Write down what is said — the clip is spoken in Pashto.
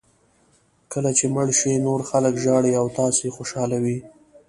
کله چې مړ شئ نور خلک ژاړي او تاسو خوشاله وئ.